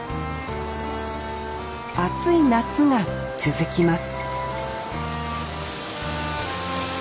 暑い夏が続きます